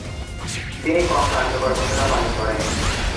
তিনি কম কার্যকর ভূমিকা পালন করেন।